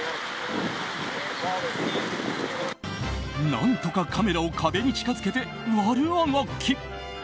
何とかカメラを壁に近づけて悪あがき。